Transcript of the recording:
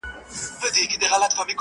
چي ناروغ وي